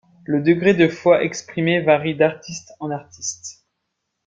Le degré de foi exprimé varie d'artistes en artistes.